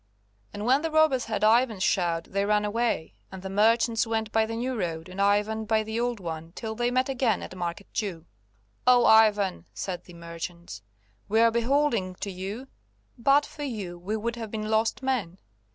And when the robbers heard Ivan's shout they ran away, and the merchants went by the new road and Ivan by the old one till they met again at Market Jew. "Oh, Ivan," said the merchants, "we are beholding to you; but for you we would have been lost men.